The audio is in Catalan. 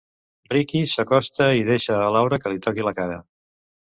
Ricky s'acosta i deixa a Laura que li toqui la cara.